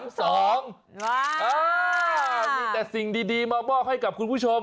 มีแต่สิ่งดีมามอบให้กับคุณผู้ชม